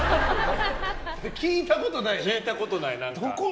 聞いたことのない何か。